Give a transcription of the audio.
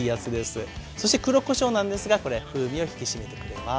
そして黒こしょうなんですがこれ風味を引き締めてくれます。